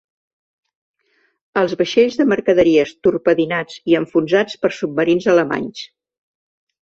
Els vaixells de mercaderies torpedinats i enfonsats per submarins alemanys.